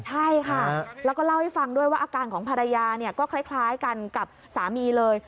ใช่ค่ะแล้วก็เล่าให้ฟังด้วยว่าอาการของภรรยาก็คล้ายกันกับสามีเลย